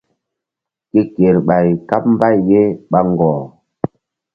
Ke kerɓay káɓ mbay ye ɓa ŋgɔh.